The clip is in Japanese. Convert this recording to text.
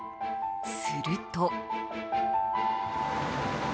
すると。